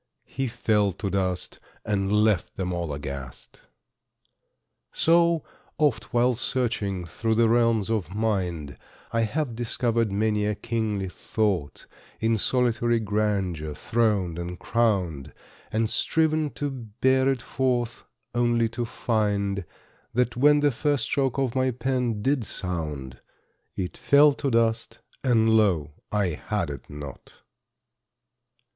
He fell to dust, and left them all aghast. So, oft while searching through the realms of mind, I have discovered many a kingly thought, In solitary grandeur throned and crowned, And striven to bear it forth, only to find That, when the first stroke of my pen did sound, It fell to dust, and lo! I had it not.